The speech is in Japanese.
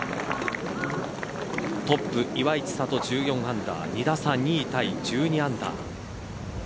トップ岩井千怜１４アンダー２打差２位タイ１２アンダー。